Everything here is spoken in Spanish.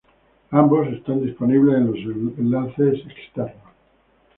Ambos están disponibles en los enlaces externos.